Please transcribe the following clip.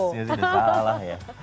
oh justru sudah salah ya